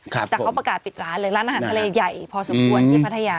แต่เขาประกาศปิดร้านเลยร้านอาหารทะเลใหญ่พอสมควรที่พัทยา